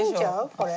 これ。